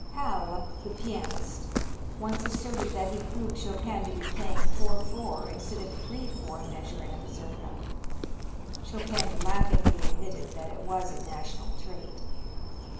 Halle, the pianist, once asserted that he proved Chopin to be playing four four instead of three four measure in a mazurka. Chopin laughingly admitted that it was a national trait.